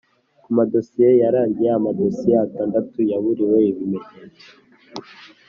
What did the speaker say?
ku madosiye yarangiye, amadosiye atandatu yaburiwe ibimenyetso,